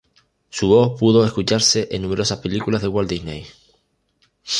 Su voz pudo escucharse en numerosas películas de Walt Disney.